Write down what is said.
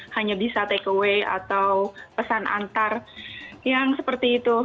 hanya bisa takeaway atau pesan antar yang seperti itu